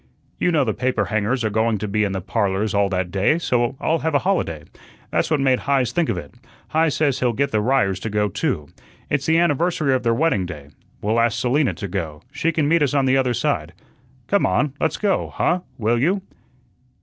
You know the paper hangers are going to be in the 'Parlors' all that day, so I'll have a holiday. That's what made Heise think of it. Heise says he'll get the Ryers to go too. It's the anniversary of their wedding day. We'll ask Selina to go; she can meet us on the other side. Come on, let's go, huh, will you?"